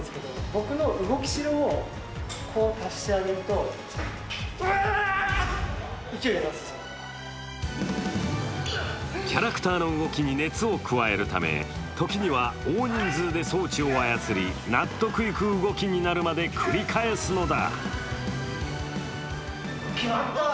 これほど時間を要する訳はキャラクターの動きに熱を加えるため時には、大人数で装置を操り納得いく動きになるまで繰り返すのだ。